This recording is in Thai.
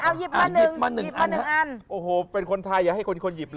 เอาหยิบอันหยิบมาหนึ่งอันโอ้โหเป็นคนไทยอย่าให้คนคนหยิบเลย